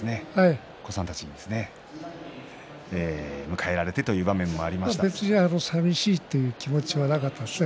お子さんたちにですね迎えられてという場面も寂しいという気持ちはなかったですね。